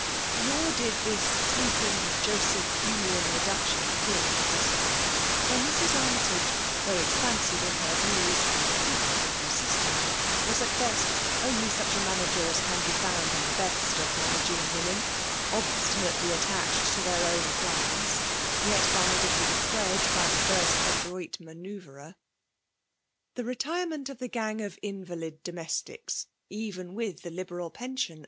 Nor did this sweeping Joseph Humeian reduction ap pear impossible ; for Mrs. Armytage, though expansive in her views and prudent in her system, was at best only such a manager as can be found in the best of managing women, obstinately attached to their own plans, yet guided with a thread by the first adroit manoBuvrer. The retirement of the gang of invalid domestics, even with the liberal p«i FEMALE DOMINATION.